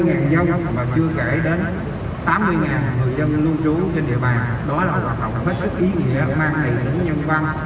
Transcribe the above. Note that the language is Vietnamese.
mang lại những nhân văn